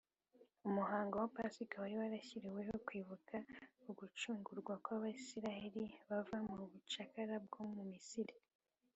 umuhango wa pasika wari warashyiriweho kwibuka ugucungurwa kw’abisiraheli bava mu bucakara bwo mu misiri